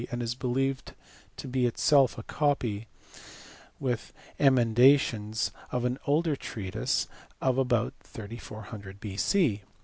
and is believed to be itself a copy, with emenda tions, of an older treatise of about 3400 B.C.